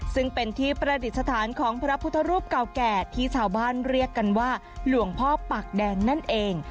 ซึ่งเป็นที่ประดิษฐานของพระพุทธรูปเก่าแก่ที่ชาวบ้านเรียกกันว่าหลวงพ่อปากแดงนั่นเอง